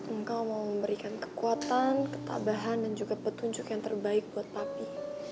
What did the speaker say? engkau mau memberikan kekuatan ketabahan dan juga petunjuk yang terbaik buat papi